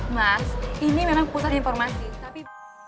mas ini memang pusat informasi tapi